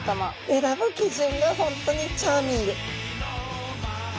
選ぶ基準が本当にチャーミング。